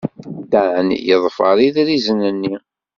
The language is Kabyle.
Dan yeḍfer idrizen-nni.